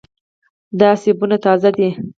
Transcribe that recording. دا سیبونه تازه دي.